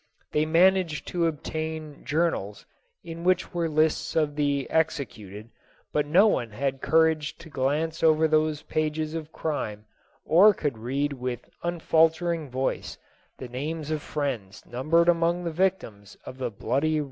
They managed to obtain jour nals in which were lists of the executed, but no one had courage to glance over those pages of crime, or could read with unfaltering voice the names of friends numbered among the victims of the bloody Robes pierre.